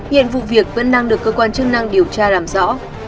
hiện vụ việc vẫn đang được cơ quan chức năng điều tra làm rõ